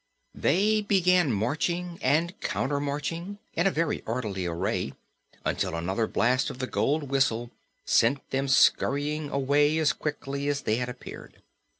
They began marching and countermarching in very orderly array until another blast of the gold whistle sent them scurrying away as quickly as they had appeared.